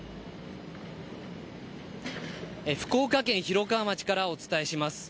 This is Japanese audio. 福岡県広川町からお伝えします。